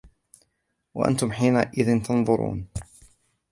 وَأَنتُمْ حِينَئِذٍ تَنظُرُونَ